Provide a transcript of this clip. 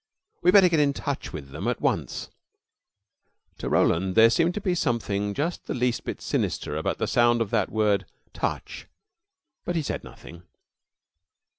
We'd better get in touch with them at once." To Roland, there seemed to be something just the least bit sinister about the sound of that word "touch," but he said nothing.